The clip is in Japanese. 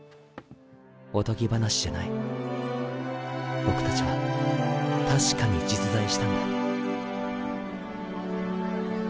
おとぎ話じゃない僕たちは確かに実在したんだ